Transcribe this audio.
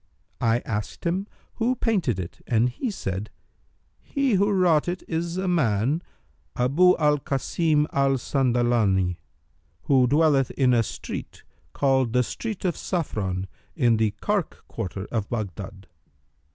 I asked him who painted it and he said, 'He who wrought it is a man, Abu al Kasim al Sandalani hight, who dwelleth in a street called the Street of Saffron in the Karkh quarter of Baghdad.'